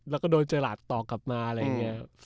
แล้วก็โดนเจอหลากต่อกลับมาอะไรอย่างนี้ครับ